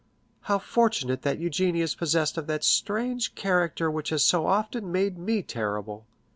How fortunate that Eugénie is possessed of that strange character which has so often made me tremble!"